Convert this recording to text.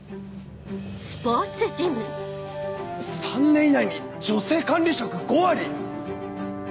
３年以内に女性管理職５割⁉